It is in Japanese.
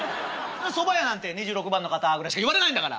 そば屋なんて「２６番の方」ぐらいしか言われないんだから！